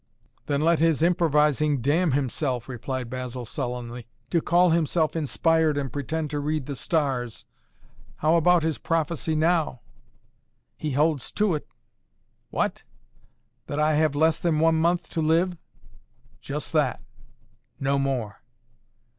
"Then let his improvising damn himself," replied Basil sullenly. "To call himself inspired and pretend to read the stars! How about his prophecy now?" "He holds to it!" "What! That I have less than one month to live?" "Just that no more!"